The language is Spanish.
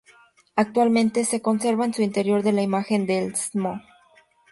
Actualmente se conserva en su interior la imagen del Stmo.